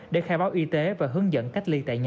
để khai báo y tế và hướng dẫn cách ly tại nhà